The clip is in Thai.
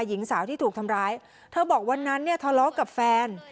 หญิงสาวที่ถูกทำร้ายเธอบอกวันนั้นเนี่ยทะเลาะกับแฟน